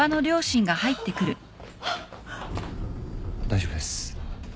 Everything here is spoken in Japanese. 大丈夫です。